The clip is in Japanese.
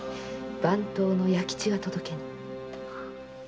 番頭の弥吉が届けに。